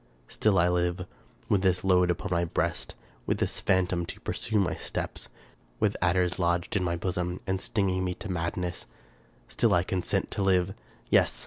Still I live ; with this load upon my breast ; with this phantom to pursue my steps ; with adders lodged in my bosom, and stinging me to madness ; still I consent to live ! Yes